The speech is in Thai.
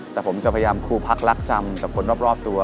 แต่ผมจะพยายามคูลพักลักษณ์จำจากคนรอบตัว